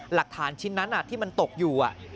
หลักฐานชิ้นนั้นที่มันตกอยู่